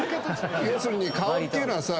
要するに顔っていうのはさ